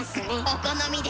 お好みで。